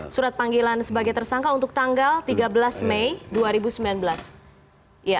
surat panggilan sebagai tersangka untuk tanggal tiga belas mei dua ribu sembilan belas